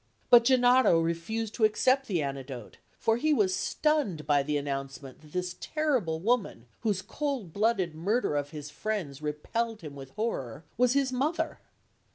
But Gennaro refused to accept the antidote; for he was stunned by the announcement that this terrible woman, whose cold blooded murder of his friends repelled him with horror, was his mother.